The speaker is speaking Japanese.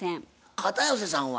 片寄さんは？